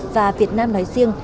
và việt nam nói riêng